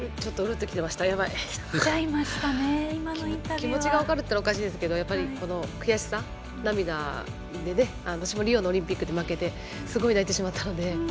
気持ちが分かるというとおかしいですけど私もリオのオリンピックで負けてすごい泣いてしまったので。